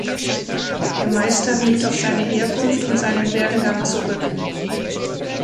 Der Meister blickt auf seine Herkunft und seinen Werdegang zurück.